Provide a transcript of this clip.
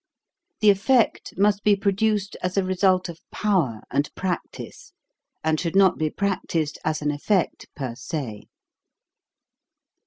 The effect must be produced as a result of power and practice; and should not be practised as an effect per se.